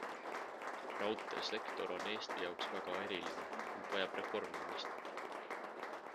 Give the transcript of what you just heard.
Raudteesektor on Eesti jaoks väga eriline, ent vajab reformimist.